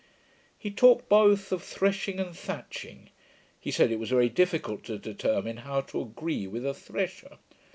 He talked both of threshing and thatching. He said, it was very difficult to determine how to agree with a thresher.